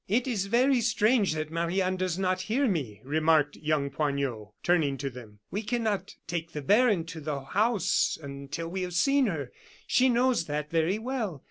"It is very strange that Marie Anne does not hear me," remarked young Poignot, turning to them. "We cannot take the baron to the house until we have seen her. She knows that very well.